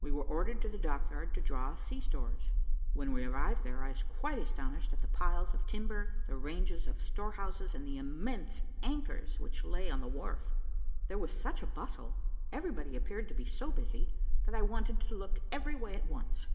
We were ordered to the dockyard to draw sea stores. When we arrived there, I was quite astonished at the piles of timber, the ranges of storehouses, and the immense anchors which lay on the wharf. There was such a bustle, everybody appeared to be so busy, that I wanted to look every way at once.